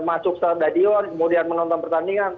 masuk stadion kemudian menonton pertandingan